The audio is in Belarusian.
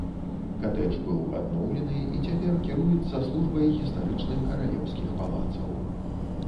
Катэдж быў адноўлены і цяпер кіруецца службай гістарычных каралеўскіх палацаў.